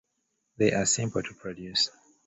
They are simple to produce.